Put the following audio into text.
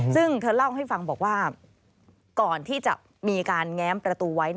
ซึ่งเธอเล่าให้ฟังบอกว่าก่อนที่จะมีการแง้มประตูไว้